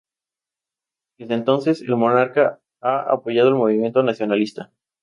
Desde entonces, el monarca ha apoyado al movimiento nacionalista.